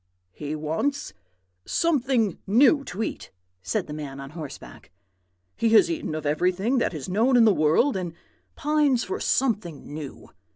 "'He wants something new to eat,' said the man on horseback. 'He has eaten of everything that is known in the world, and pines for something new.